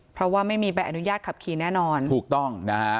เพราะว่าไม่มีใบอนุญาตขับขี่แน่นอนถูกต้องนะฮะ